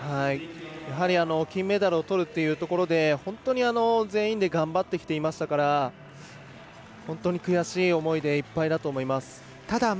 金メダルをとるというところで本当に全員で頑張ってきていましたから本当に悔しい思いでいっぱいだと思います。